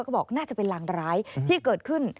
ก็บอกน่าจะเป็นรางร้ายที่เกิดขึ้น